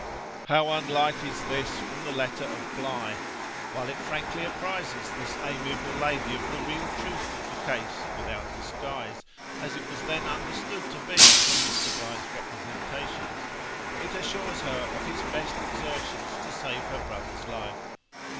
How unlike is this from the letter of Bligh! while it frankly apprises this amiable lady of the real truth of the case, without disguise, as it was then understood to be from Mr. Bligh's representations, it assures her of his best exertions to save her brother's life.